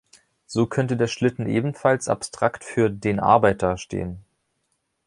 So könnte der Schlitten ebenfalls abstrakt für „den Arbeiter“ stehen.